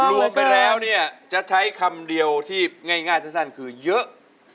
รวมไปแล้วเนี่ยจะใช้คำเดียวที่ง่ายสั้นคือเยอะ